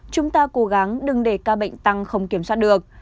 chúng ta cố gắng đừng để ca bệnh tăng không kiểm soát được